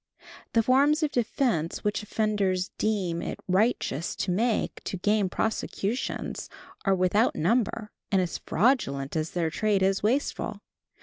The forms of defense which offenders deem it righteous to make to game prosecutions are without number, and as fraudulent as their trade is wasteful.